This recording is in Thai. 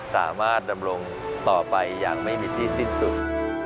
สามารถดำรงต่อไปอย่างไม่มีที่สิ้นสุด